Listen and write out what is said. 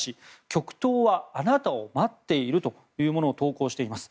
「極東はあなたを待っている」というものを投稿しています。